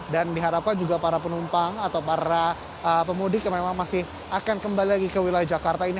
dan diharapkan juga para penumpang atau para pemudik yang memang masih akan kembali lagi ke wilayah jakarta ini